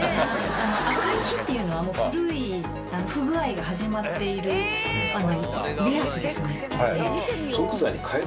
赤い火っていうのはもう古い不具合が始まっている目安です。